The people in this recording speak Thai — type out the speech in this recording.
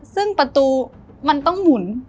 ซึ่งประตูมันต้องหมุน